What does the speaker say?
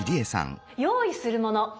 用意するもの。